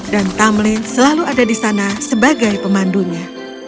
dan tamlin selalu ada di sana sebagai pemandunya